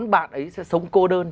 ba bốn bạn ấy sẽ sống cô đơn